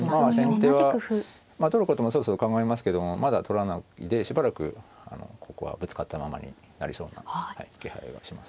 まあ先手は取ることもそろそろ考えますけどもまだ取らないでしばらくここはぶつかったままになりそうな気配はします。